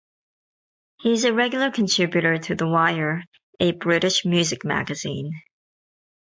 He is a regular contributor to "The Wire", a British music magazine.